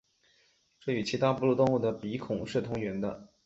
这与其他哺乳动物的鼻孔是同源的。